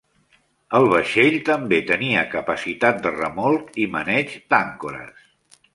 El vaixell també tenia capacitat de remolc i maneig d'àncores.